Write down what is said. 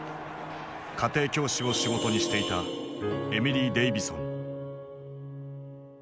家庭教師を仕事にしていたエミリー・デイヴィソン。